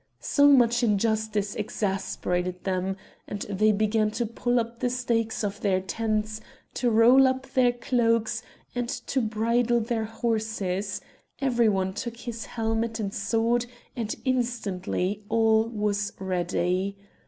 So much injustice exasperated them, and they began to pull up the stakes of their tents, to roll up their cloaks, and to bridle their horses; every one took his helmet and sword, and instantly all was ready.